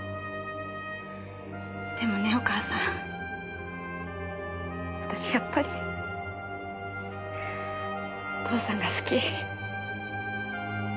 でもねお母さん私やっぱりお父さんが好き。